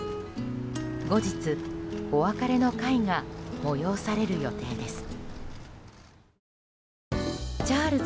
後日、お別れの会が催される予定です。